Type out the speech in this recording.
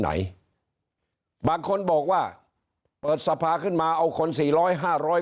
ไหนบางคนบอกว่าเปิดสภาขึ้นมาเอาคนสี่ร้อยห้าร้อย